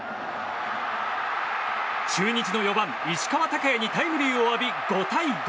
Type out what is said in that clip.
中日の４番、石川昂弥にタイムリーを浴び５対５。